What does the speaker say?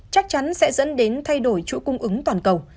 chắc chắn sẽ dẫn đến thay đổi chuỗi cung ứng toàn cầu